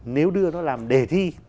nếu đưa nó làm đề thi